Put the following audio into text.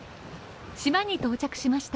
島に到着しました。